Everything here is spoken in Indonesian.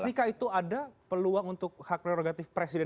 jika itu ada peluang untuk hak prerogatif presiden